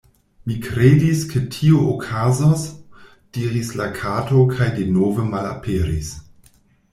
"Mi kredis ke tio okazos," diris la Kato kaj denove malaperis.